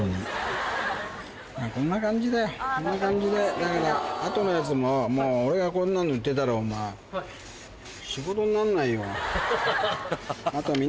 こんな感じだよこんな感じでだから後のやつももう俺がこんなん塗ってたらお前仕事になんないよ。